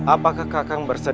apakah kakang berhasil